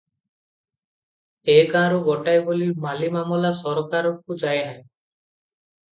ଏ ଗାଁରୁ ଗୋଟାଏ ବୋଲି ମାଲିମାମଲା ସରକାରକୁ ଯାଏ ନାହିଁ ।